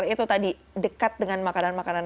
itu tadi dekat dengan makanan makanan